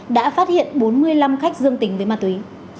đã phát hiện bốn mươi năm khách dương tính với ma túy